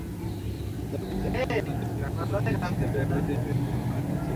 মধ্য আফ্রিকা প্রজাতন্ত্র থেকে আটকে পড়া বিদেশিদের জরুরি ভিত্তিতে সরিয়ে নেওয়া শুরু হয়েছে।